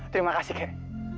terima kasih kakek